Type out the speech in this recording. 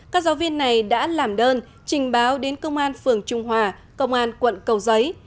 các giáo viên này đã làm đơn trình báo đến công an phường trung hòa công an quận cầu giấy